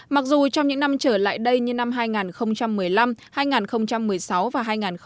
mặc dù trong những năm trở lại đây như năm hai nghìn một mươi năm hai nghìn một mươi sáu và hai nghìn một mươi bảy